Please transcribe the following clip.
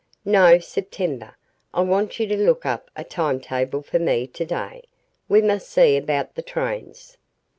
"No; September. I want you to look up a timetable for me to day. We must see about the trains."